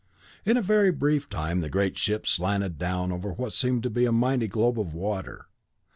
In a very brief time the great ships slanted down over what seemed to be a mighty globe of water.